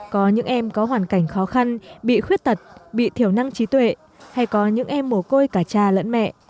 có những em có hoàn cảnh khó khăn bị khuyết tật bị thiểu năng trí tuệ hay có những em mồ côi cả cha lẫn mẹ